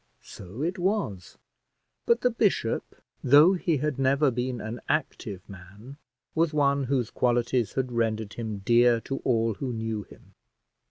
So it was; but the bishop, though he had never been an active man, was one whose qualities had rendered him dear to all who knew him.